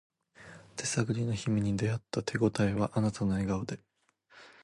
手探りの日々に出会った手ごたえはあなたの笑顔で